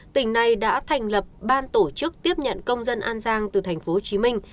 tỉnh này đã thành lập ban tổ chức tiếp nhận công dân an giang từ tp hcm